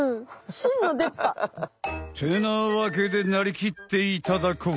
しんのでっ歯。ってなわけでなりきっていただこう！